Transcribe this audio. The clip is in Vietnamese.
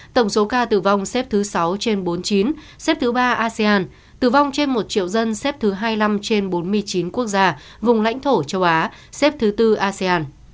tử vong trên một triệu dân xếp thứ ba mươi trên bốn mươi chín quốc gia vùng lãnh thổ châu asean